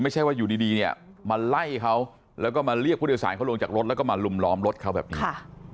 ไม่ใช่ว่าอยู่ดีเนี่ยมาไล่เขาแล้วก็มาเรียกผู้โดยสารเขาลงจากรถแล้วก็มาลุมล้อมรถเขาแบบนี้